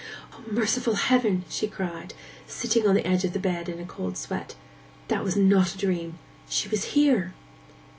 'O, merciful heaven!' she cried, sitting on the edge of the bed in a cold sweat; 'that was not a dream—she was here!